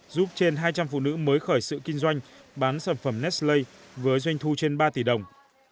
giúp trên hai trăm linh phụ nữ mới khởi sự kinh doanh bán sản phẩm nestlay với doanh thu trên ba tỷ đồng